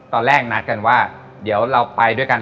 ตอนแรกนัดกันว่าเดี๋ยวเราไปด้วยกัน